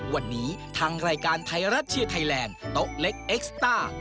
วันนี้ทางรายการไทยรัฐเชียร์ไทยแลนด์โต๊ะเล็กเอ็กซ์ต้า